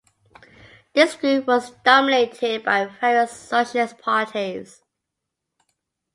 This group was dominated by various socialist parties.